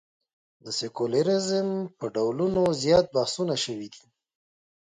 د سیکولریزم پر ډولونو زیات بحثونه شوي دي.